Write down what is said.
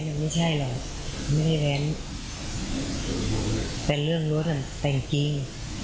คุณเป็นคนรักษากฎหมายกับคนที่รักษากฎหมายกระทำของตัวเอง